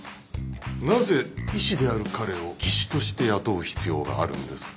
なぜ医師である彼を技師として雇う必要があるんですか？